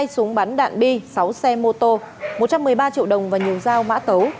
hai súng bắn đạn bi sáu xe mô tô một trăm một mươi ba triệu đồng và nhiều dao mã tấu